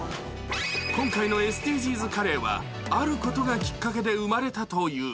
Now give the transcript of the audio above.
今回のＳＤＧｓカレーは、あることがきっかけで生まれたという。